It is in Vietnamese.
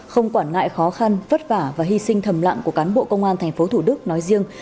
không quản ngại khó khăn vất vả và hy sinh thầm lặng của cán bộ công an tp thủ đức nói riêng